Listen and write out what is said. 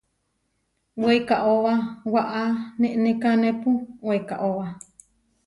Weikaóba waʼá nenekanépu weikaóba.